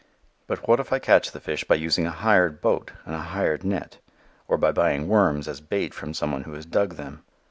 But what if I catch the fish by using a hired boat and a hired net, or by buying worms as bait from some one who has dug them?